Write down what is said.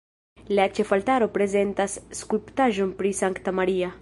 La ĉefaltaro prezentas skulptaĵon pri Sankta Maria.